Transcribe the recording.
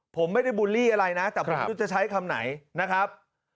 ผมไม่ได้บูลลี่อะไรนะแต่ผมไม่รู้จะใช้คำไหนนะครับ